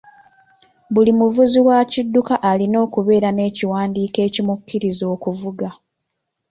Buli muvuzi wa kidduka alina okubeera n'ekiwandiiko ekimukkiriza okuvuga.